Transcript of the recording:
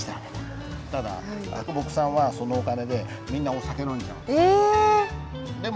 ただ木さんはそのお金でみんなお酒飲んじゃうんです。え！